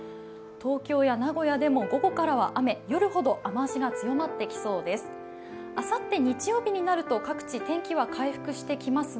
東京や名古屋でも午後から雨、夜ほど雨足が強まってきそうです。